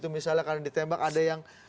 misalnya karena ditembak ada yang